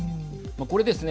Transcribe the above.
これですね